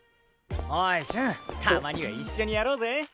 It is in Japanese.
おい瞬たまには一緒にやろうぜ！